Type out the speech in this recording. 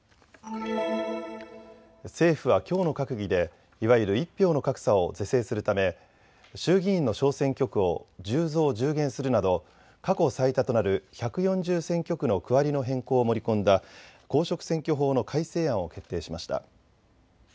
政府はきょうの閣議でいわゆる１票の格差を是正するため衆議院の小選挙区を１０増１０減するなど過去最多となる１４０選挙区の区割りの変更を盛り込んだ公職選挙法の改正案を決定しました。